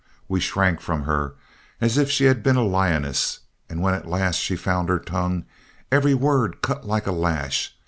We shrank from her as if she had been a lioness, and when at last she found her tongue, every word cut like a lash.